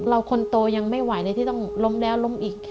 คนโตยังไม่ไหวเลยที่ต้องล้มแล้วล้มอีก